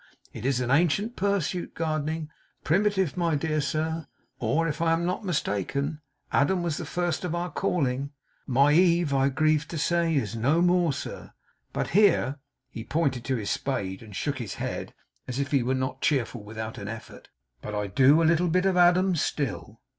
It is an ancient pursuit, gardening. Primitive, my dear sir. Or, if I am not mistaken, Adam was the first of our calling. MY Eve, I grieve to say is no more, sir; but' here he pointed to his spade, and shook his head as if he were not cheerful without an effort 'but I do a little bit of Adam still.